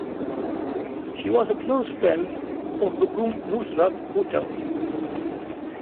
She was a close friend of Begum Nusrat Bhutto.